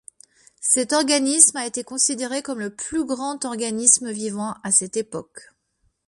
Cet organisme a été considéré comme le plus grand organisme vivant à cette époque.